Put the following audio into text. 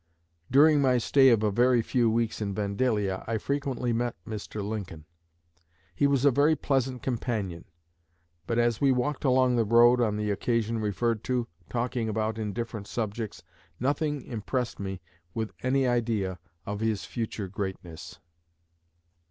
During my stay of a few weeks in Vandalia I frequently met Mr. Lincoln. He was a very pleasant companion; but as we walked along the road on the occasion referred to, talking about indifferent subjects, nothing impressed me with any idea of his future greatness."